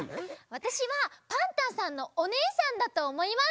わたしはパンタンさんのおねえさんだとおもいます。